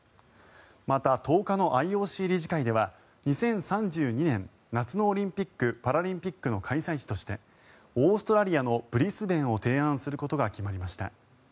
また、１０日のＩＯＣ理事会では２０３２年夏のオリンピック・パラリンピックの開催地としてオーストラリアのブリスベンを提案することが決まりました。